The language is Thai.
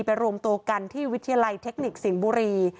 รวมตัวกันที่วิทยาลัยเทคนิคสิงห์บุรี